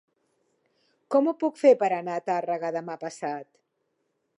Com ho puc fer per anar a Tàrrega demà passat?